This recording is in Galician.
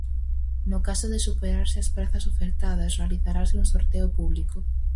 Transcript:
No caso de superarse as prazas ofertadas, realizarase un sorteo público.